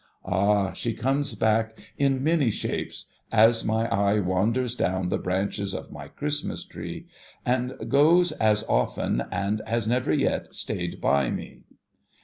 Ah, she comes back, in many shapes, as my eye wanders down the branches of my Christmas Tree, and goes as often, and has never yet stayed by me